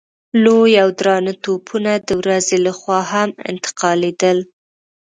لوی او درانه توپونه د ورځې له خوا هم انتقالېدل.